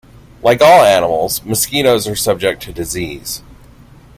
Like all animals, mosquitoes are subject to disease.